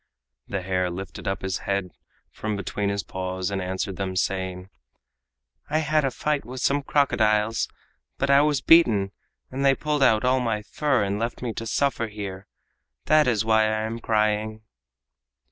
The hare lifted up his head from between his paws, and answered them, saying: "I had a fight with some crocodiles, but I was beaten, and they pulled out all my fur and left me to suffer here—that is why I am crying."